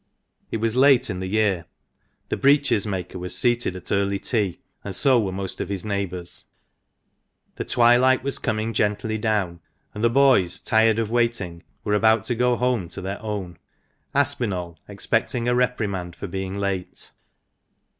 It was late in the year. The breeches maker was seated at early tea, and so were most of his neighbours. The twilight was coming gently down, and the boys, tired of waiting, were about to go home to their own — Aspinall expecting a reprimand for being late.